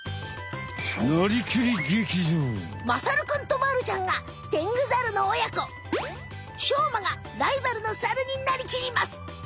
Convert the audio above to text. まさるくんとまるちゃんがしょうまがライバルのサルになりきります。